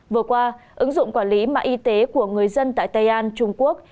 vừa qua ứng dụng quản lý mạng y tế của người dân tại tây an trung quốc